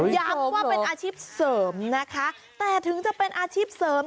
ย้ำว่าเป็นอาชีพเสริมนะคะแต่ถึงจะเป็นอาชีพเสริม